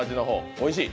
おいしい！